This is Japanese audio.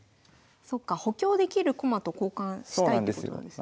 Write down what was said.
そっか補強できる駒と交換したいってことなんですね。